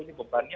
ini beban nya